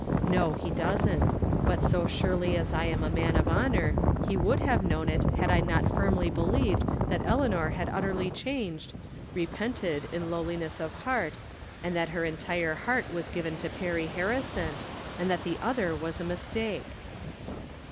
" No, he doesn't ; but so surely as I am a man of honor, he would have known it had I not firmly believed that Eleanor had utterly changed, repented, in lowliness of heart, and that her en tii'e heart was given to Perry Harrison, and that the other was a mistake."